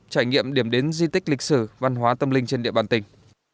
trải nghiệm điểm đến di tích lịch sử văn hóa tâm linh trên địa bàn tỉnh